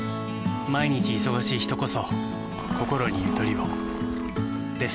毎日忙しい人こそこころにゆとりをです。